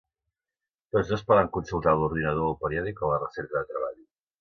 Tots dos poden consultar l'ordinador o el periòdic a la recerca de treball.